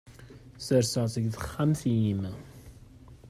Serseɣ-tt deg texxamt-im.